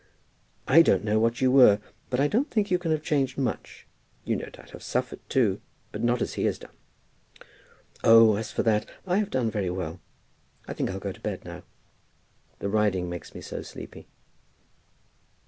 "I don't know what you were, but I don't think you can have changed much. You no doubt have suffered too, but not as he has done." "Oh, as for that, I have done very well. I think I'll go to bed now. The riding makes me so sleepy."